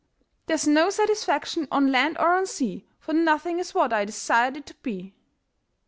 There's no satisfaction on land or on sea, For nothing is what I desire it to be."